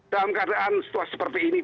dalam keadaan situasi seperti ini